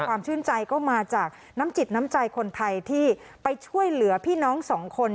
ความชื่นใจก็มาจากน้ำจิตน้ำใจคนไทยที่ไปช่วยเหลือพี่น้องสองคน